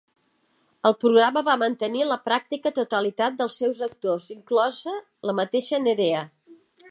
El programa va mantenir la pràctica totalitat dels seus actors, inclosa la mateixa Nerea.